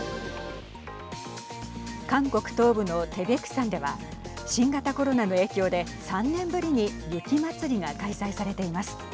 韓国東部のテベク山では新型コロナの影響で３年ぶりに雪まつりが開催されています。